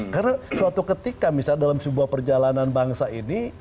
karena suatu ketika misalnya dalam sebuah perjalanan bangsa ini